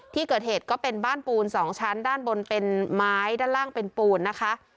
ที่เกิดเหตุก็เป็นบ้านปูน๒ชั้นด้านบนเป็นไม้ด้านล่างเป็นปูนนะคะ